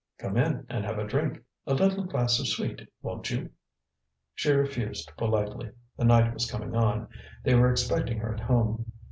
"Come in and have a drink. A little glass of sweet, won't you?" She refused politely; the night was coming on, they were expecting her at home.